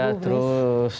lalu dia terus